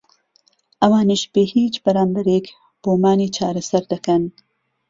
ئهوانیش بێ هیچ بهرامبهرێك بۆمانی چارهسهر دهكهن